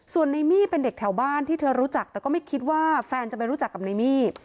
ส่วนในมี่เป็นเด็กแถวบ้านที่เธอรู้จักแต่ก็ไม่คิดว่าแฟนจะไปรู้จักกับในมี่